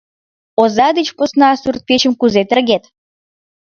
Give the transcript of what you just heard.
Оза деч посна сурт-печым кузе тергет?